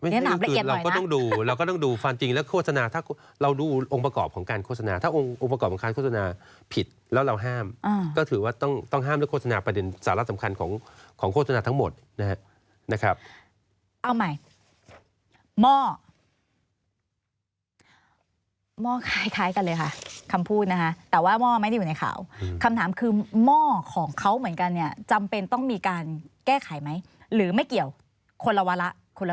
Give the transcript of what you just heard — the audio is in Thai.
นี่หนับละเอียดหน่อยนะฮะฮ่าฮ่าฮ่าฮ่าฮ่าฮ่าฮ่าฮ่าฮ่าฮ่าฮ่าฮ่าฮ่าฮ่าฮ่าฮ่าฮ่าฮ่าฮ่าฮ่าฮ่าฮ่าฮ่าฮ่าฮ่าฮ่าฮ่าฮ่าฮ่าฮ่าฮ่าฮ่าฮ่าฮ่าฮ่าฮ่าฮ่าฮ่าฮ่าฮ่า